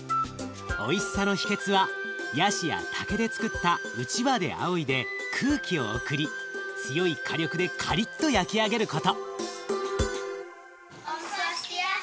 おいしさの秘けつはヤシや竹でつくったうちわであおいで空気を送り強い火力でカリッと焼き上げること。